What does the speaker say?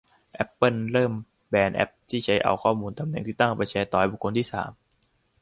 แอปเปิลเริ่มแบนแอปที่เอาข้อมูลตำแหน่งที่ตั้งไปแชร์ต่อให้บุคคลมี่สาม